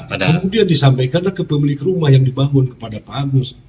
kemudian disampaikanlah ke pemilik rumah yang dibangun kepada pak agus